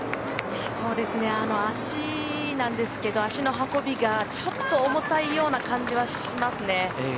足なんですけど足の運びがちょっと重たいような感じはしますね。